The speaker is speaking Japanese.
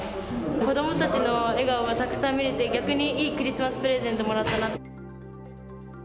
子どもたちの笑顔がたくさん見れて逆に元気なクリスマスプレゼントをもらったなと。